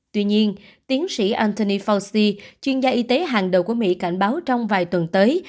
tuy nhiên tiến sĩ antony fauci chuyên gia y tế hàng đầu của mỹ cảnh báo trong vài tuần tới